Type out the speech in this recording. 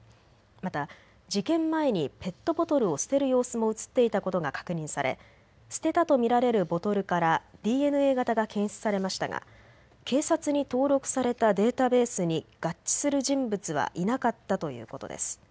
また事件前にペットボトルを捨てる様子も写っていたことが確認され捨てたと見られるボトルからＤＮＡ型が検出されましたが警察に登録されたデータベースに合致する人物はいなかったということです。